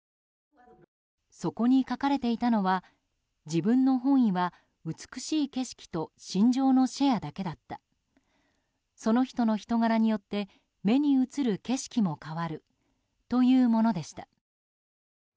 そこに書かれていたのは自分の本意は美しい景色と心情のシェアだけだったその人の人柄によって、目に映る景色も変わるというものでした。